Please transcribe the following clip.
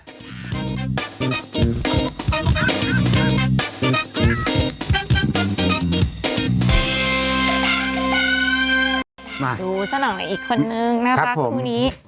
ดูสนองกับอีกคนนึงนะครับคู่นี้